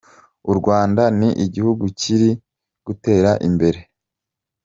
U Rwanda ni igihugu kiri gutera imbere.